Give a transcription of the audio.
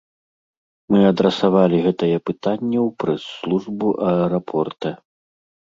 Мы адрасавалі гэтае пытанне ў прэс-службу аэрапорта.